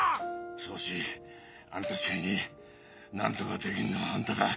宗師あんたしかいねえ何とかできるのはあんただ。